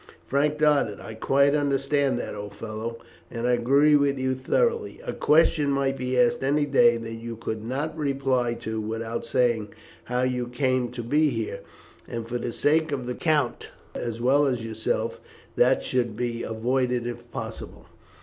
Frank nodded. "I quite understand that, old fellow, and I agree with you thoroughly. A question might be asked any day that you could not reply to without saying how you came to be here; and for the sake of the count as well as yourself, that should be avoided if possible."